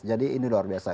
jadi ini luar biasa